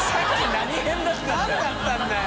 何だったんだよ！